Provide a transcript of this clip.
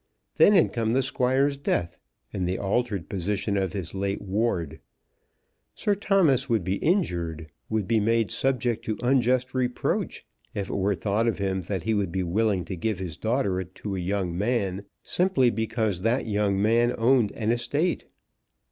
Then had come the Squire's death and the altered position of his late ward. Sir Thomas would be injured, would be made subject to unjust reproach if it were thought of him that he would be willing to give his daughter to a young man simply because that young man owned an estate.